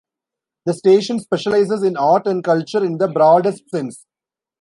The station specializes in art and culture in the broadest sense.